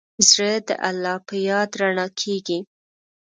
زړه د الله په یاد رڼا کېږي.